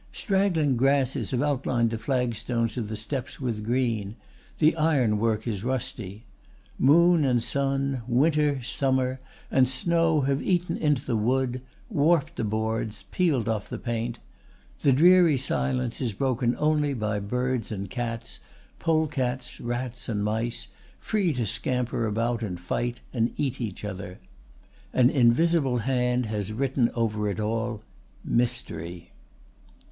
Straggling grasses have outlined the flagstones of the steps with green; the ironwork is rusty. Moon and sun, winter, summer, and snow have eaten into the wood, warped the boards, peeled off the paint. The dreary silence is broken only by birds and cats, polecats, rats, and mice, free to scamper round, and fight, and eat each other. An invisible hand has written over it all: 'Mystery.